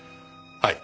はい。